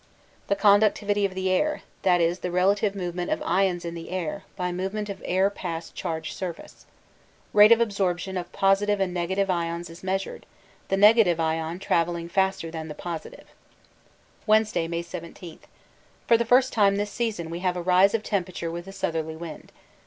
The conductivity of the air, that is, the relative movement of ions in the air; by movement of air past charged surface. Rate of absorption of + and ions is measured, the negative ion travelling faster than the positive. Wednesday, May 17. For the first time this season we have a rise of temperature with a southerly wind.